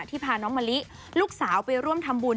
พาน้องมะลิลูกสาวไปร่วมทำบุญ